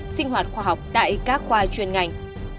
sinh hoạt khoa học tại các khoa chuyên ngành